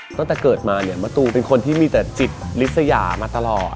ตั้งแต่เกิดมาเนี่ยมะตูเป็นคนที่มีแต่จิตลิสยามาตลอด